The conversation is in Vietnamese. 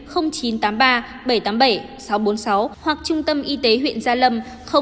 hoặc trung tâm y tế huyện gia lâm hai mươi bốn sáu nghìn hai trăm sáu mươi một sáu nghìn bốn trăm ba mươi năm